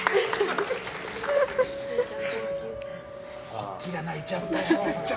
こっちが泣いちゃったよ。